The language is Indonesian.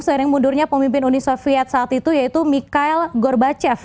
seiring mundurnya pemimpin uni soviet saat itu yaitu mikhail gorbachev